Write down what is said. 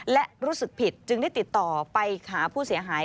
และรู้สึกผิดจึงได้ติดต่อไปหาผู้เสียหาย